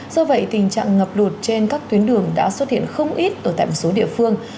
do vậy tình trạng ngập lụt trên các tuyến đường đã xuất hiện không ít ở tại một số địa phương